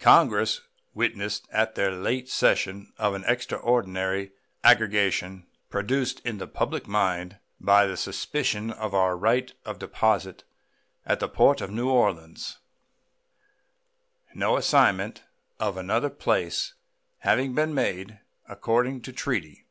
Congress witnessed at their late session the extraordinary agitation produced in the public mind by the suspension of our right of deposit at the port of New Orleans, no assignment of another place having been made according to treaty.